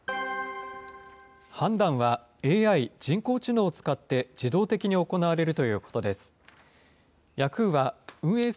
判断は、ＡＩ・人工知能を使って、自動的に行われるということです。